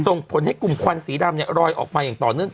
ส่งผลให้กลุ่มควันสีดำเนี่ยรอยออกมาอย่างต่อเนื่อง